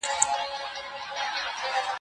نه سل سرى اژدها په گېډه موړ سو